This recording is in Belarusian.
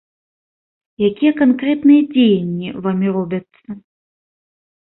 Якія канкрэтныя дзеянні вамі робяцца?